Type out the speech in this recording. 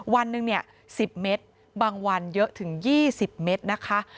วันหนึ่ง๑๐เมตรบางวันเยอะถึง๒๐เมตรนะคะ